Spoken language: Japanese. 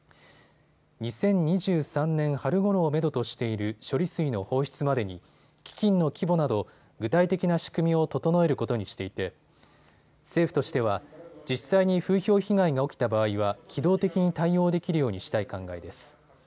２０２３年春ごろをめどとしている処理水の放出までに基金の規模など具体的な仕組みを整えることにしていて政府としては実際に風評被害が起きた場合は機動的に対応できるようにしたい考えです。